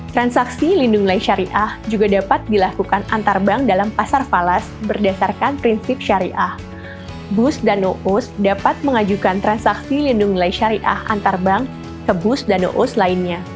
transaksi lindung nilai syariah juga dapat dilakukan antar bank dalam pasar falas berdasarkan prinsip syariahnya